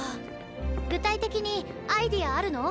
具体的にアイデアあるの？